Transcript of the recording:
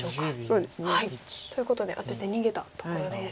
そうですね。ということでアテて逃げたところです。